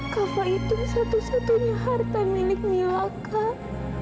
kak fadil itu satu satunya harta milik mila kak